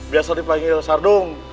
biasa dipanggil sardung